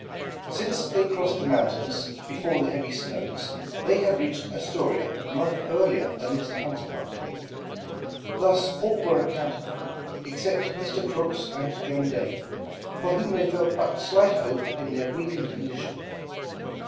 Since they crossed the mountains before the heav>' snows, they had reached Astoria a month earlier than Mr. Hunt's party. Thus all were accounted for, ex cept Mr. Crooks and John Day, for whom they felt but slight hope in their weakened condition.